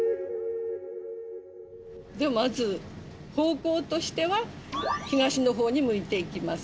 まず方向としては東のほうに向いて行きます。